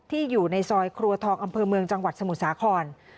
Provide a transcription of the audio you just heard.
อยู่ในซอยครัวทองอำเภอเมืองจังหวัดสมุทรสาคร